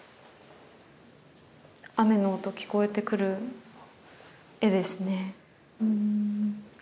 雨の音聞こえてくる絵ですね。